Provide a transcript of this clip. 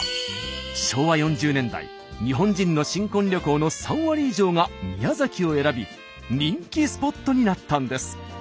昭和４０年代日本人の新婚旅行の３割以上が宮崎を選び人気スポットになったんです。